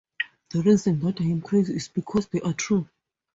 The reason that I am crazy is because they are true.